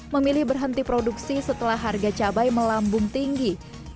memilih berhenti produksi setelah harga cabai melambung tinggi